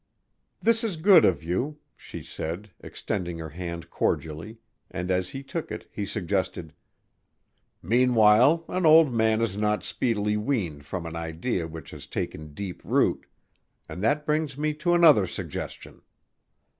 "This is good of you," she said, extending her hand cordially, and as he took it he suggested, "Meanwhile an old man is not speedily weaned from an idea which has taken deep root, and that brings me to another suggestion."